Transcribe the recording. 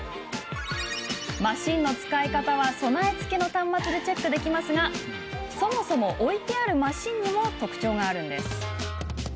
マシンの使い方は備え付けの端末でチェックできますがそもそも置いてあるマシンにも特徴が。